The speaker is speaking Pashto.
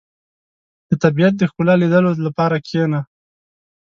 • د طبیعت د ښکلا لیدلو لپاره کښېنه.